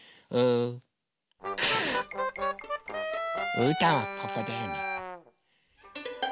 うーたんはここだよね。